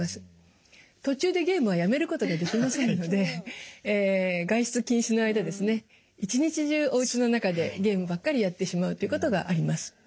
途中でゲームはやめることができませんので外出禁止の間ですね一日中おうちの中でゲームばっかりやってしまうということがあります。